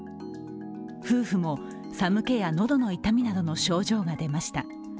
夫婦も寒気や喉の痛みなどの症状が出ました。